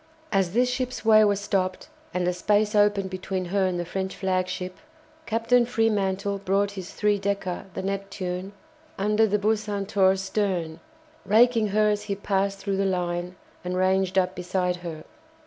As this ship's way was stopped, and a space opened between her and the French flagship, Captain Fremantle brought his three decker, the "Neptune," under the "Bucentaure's" stern, raking her as he passed through the line and ranged up beside her.